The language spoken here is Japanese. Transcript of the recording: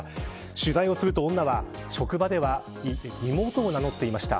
取材をすると女は職場では妹を名乗っていました。